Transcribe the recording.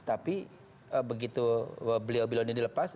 tapi begitu beliau beliau ini dilepas